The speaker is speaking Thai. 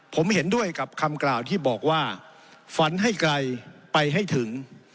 ผมเห็นด้วยกับคำกล่าวที่บอกว่าฝันให้ไกลไปให้ถึง